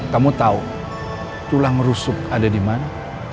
kamu tahu tulang rusuk ada di mana